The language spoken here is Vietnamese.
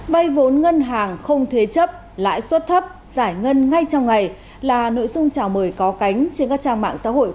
vây vốn ngân hàng không thế chấp lãi suất thấp giải ngân ngay trong ngày là nội dung trả lời